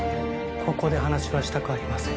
ここで話はしたくありません